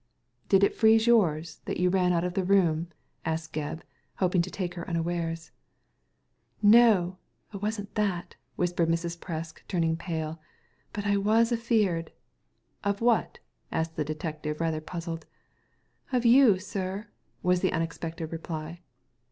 " Did it freeze yours, that you ran out of the room ?" asked Gebb, hoping to take her unawares. " No ! a'wasn't that I " whispered Mrs. Presk, turn ing pale, " but I was afeard i "*' Of what?" asked the detective, rather puzzled. " Of you, sir," was the unexpected reply.